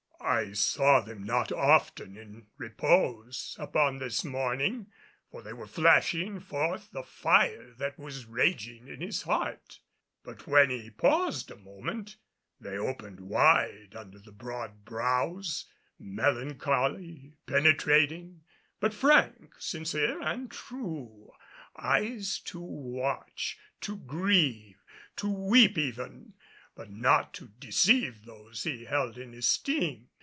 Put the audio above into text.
I saw them not often in repose upon this morning, for they were flashing forth the fire that was raging in his heart; but when he paused a moment they opened wide under the broad brows, melancholy, penetrating, but frank, sincere and true; eyes to watch, to grieve, to weep even, but not to deceive those he held in esteem.